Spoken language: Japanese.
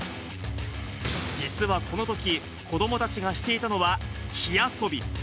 実はこのとき、子どもたちがしていたのは火遊び。